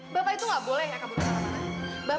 bapak itu gak boleh ya kabur kemana mana